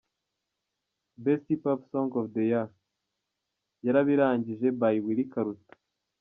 Best Hip Hop song of the year: Yarabirangije by Willy Karuta.